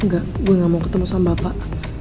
enggak gue gak mau ketemu sama bapak